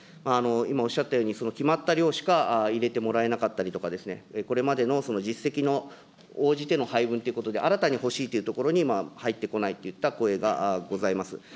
今、おっしゃったように、決まった量しか入れてもらえなかったりとかですね、これまでの実績に応じての配分ということで、新たに欲しいという所に、入ってこないといった声がございます。